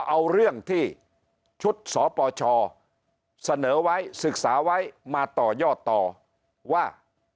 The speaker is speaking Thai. เอาเรื่องที่ชุดสปชเสนอไว้ศึกษาไว้มาต่อยอดต่อว่า